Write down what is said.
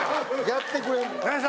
やってくれんの。